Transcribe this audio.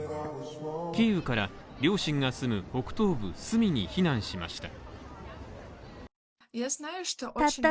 キーウから両親が住む北東部スミに避難しました。